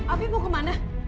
afif mau kemana